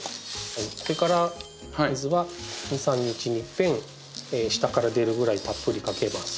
それから水は２３日にいっぺん下から出るぐらいたっぷりかけます。